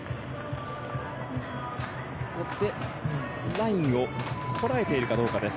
ここでラインをこらえているかどうかです。